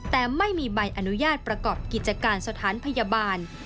แต่ไม่มีใบอนุญาตประกอบกิจการสถานพยาบาล